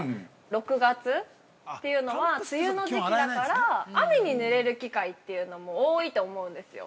６月というのは梅雨の時期だから雨にぬれる機会っていうのも多いと思うんですよ。